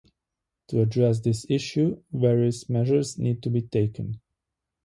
To address this issue, various measures need to be taken.